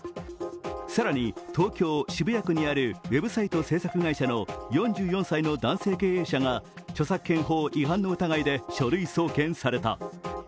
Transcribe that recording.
更に東京・渋谷区にあるウェブサイト制作会社の４４歳の男性経営者が著作権法違反の疑いで書類送検された。